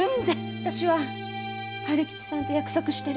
あたしは春吉さんと約束してる。